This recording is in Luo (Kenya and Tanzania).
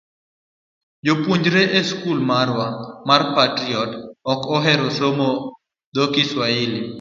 jopuonjre e skul marwa mar Patriot ok ohero somo dhok Swahili.